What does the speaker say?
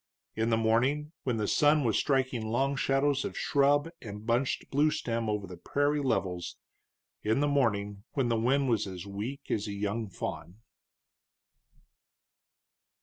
In the morning, when the sun was striking long shadows of shrub and bunched bluestem over the prairie levels; in the morning, when the wind was as weak as a young fawn.